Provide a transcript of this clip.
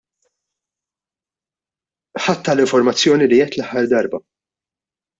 Ħadtha għall-informazzjoni li għedt l-aħħar darba.